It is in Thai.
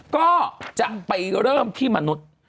ก็จะไปเริ่มที่มนุษย์